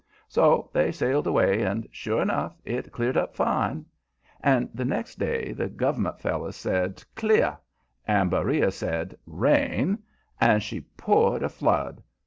So they sailed away, and, sure enough, it cleared up fine. And the next day the Gov'ment fellers said "clear" and Beriah said "rain," and she poured a flood.